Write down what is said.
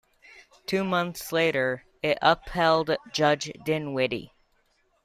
Two months later, it upheld Judge Dinwiddie.